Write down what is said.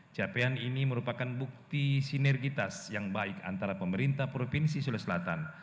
capaian ini merupakan bukti sinergitas yang baik antara pemerintah provinsi sulawesi selatan